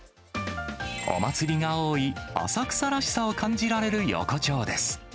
お祭りが多い浅草らしさを感じられる横丁です。